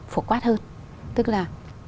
phổ quát hơn tức là